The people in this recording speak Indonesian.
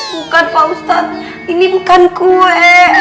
bukan pak ustadz ini bukan kue